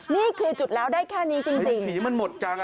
นี่คือจุดแล้วได้แค่นี้จริง